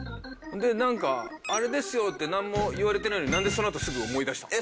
でなんか「あれですよ」って何も言われてないのになんでそのあとすぐ思い出したの？